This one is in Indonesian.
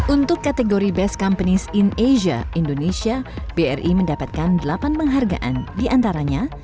untuk kategori best companies in asia indonesia bri mendapatkan delapan penghargaan diantaranya